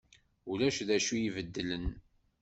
Ulac d acu i ibeddlen.